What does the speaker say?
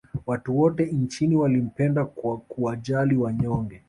Watu wote nchini walimpenda kwa kuwajali wanyonge